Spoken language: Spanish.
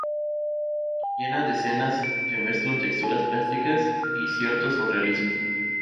Llena de escenas que mezclan texturas plásticas y cierto surrealismo.